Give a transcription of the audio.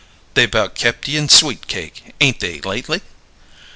"They've 'bout kept ye in sweet cake, 'ain't they, lately?"